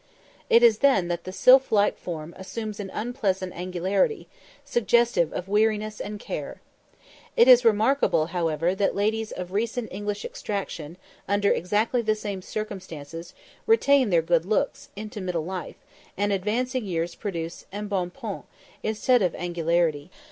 It is then that the sylph like form assumes an unpleasant angularity, suggestive of weariness and care. It is remarkable, however, that ladies of recent English extraction, under exactly the same circumstances, retain their good looks into middle life, and advancing years produce embonpoint, instead of angularity.